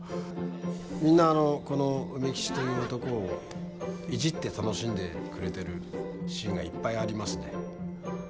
みんなこの梅吉という男をいじって楽しんでくれてるシーンがいっぱいありますね。